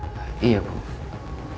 please jawab saya